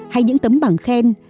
hay những tấm bằng khen